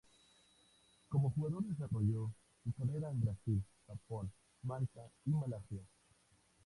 Como jugador desarrolló su carrera en Brasil, Japón, Malta y Malasia.